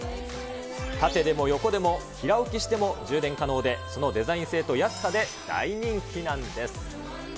縦でも横でも平置きしても充電可能で、そのデザイン性と安さで大人気なんです。